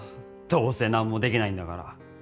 どうせ何もできないんだから。